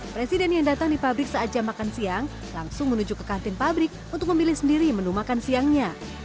presiden yang datang di pabrik saat jam makan siang langsung menuju ke kantin pabrik untuk memilih sendiri menu makan siangnya